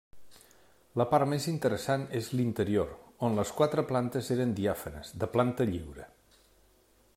La part més interessant és l'interior, on les quatre plantes eren diàfanes, de planta lliure.